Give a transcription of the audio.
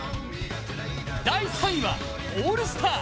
第３位はオールスター。